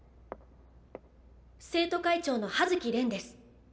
生徒会長の葉月恋です。